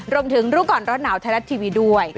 รวมถึงรู้ก่อนรอดหนาวทะเล็ตทีวีด้วย